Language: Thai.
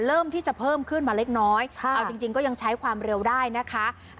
เริ่มที่จะเพิ่มขึ้นมาเล็กน้อยเอาจริงก็ยังใช้ความเร็วได้นะคะ